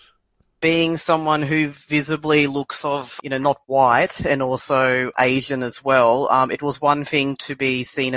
dia mengatakan bahwa keadaan mereka adalah keterangan yang berbeda